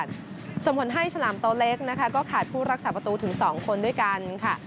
ส่งผลให้ฉลามโตเล็กนะคะก็ขาดผู้รักษาประตูถึง๒คนด้วยกันค่ะ